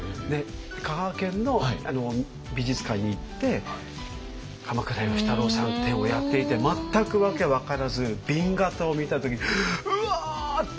香川県の美術館に行って鎌倉芳太郎さん展をやっていて全く訳分からず紅型を見た時「うわ！」って